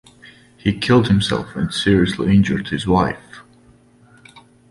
He killed himself and seriously injured his wife.